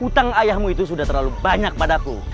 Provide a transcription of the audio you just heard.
utang ayahmu itu sudah terlalu banyak padaku